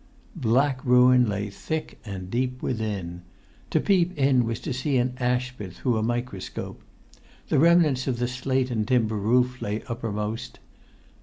Black ruin lay thick and deep within. To peep in was to see an ashpit through a microscope. The remnants of the slate and timber roof lay uppermost.